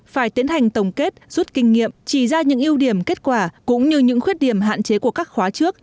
phải tiến hành tổng kết rút kinh nghiệm chỉ ra những ưu điểm kết quả cũng như những khuyết điểm hạn chế của các khóa trước